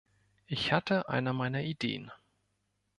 Ich hatte eine meiner Ideen.